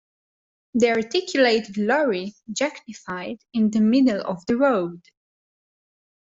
The articulated lorry jackknifed in the middle of the road